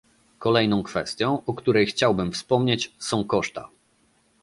Kolejną kwestią, o której chciałbym wspomnieć, są koszta